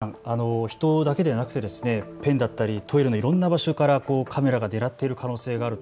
金さん、人だけではなくペンだったりトイレもいろんな場所からカメラが狙っている可能性がある。